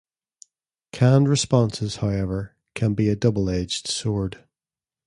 Canned responses, however, can be a double-edged sword.